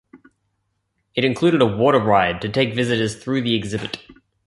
It included a water ride to take visitors through the exhibit.